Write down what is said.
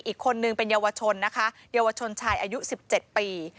อีกคนนึงเป็นเยาวชนนะคะเยาวชนชายอายุ๑๗ปี